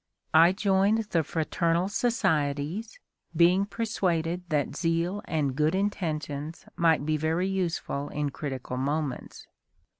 I joined the fraternal societies, being persuaded that zeal and good intentions might be very useful in critical moments.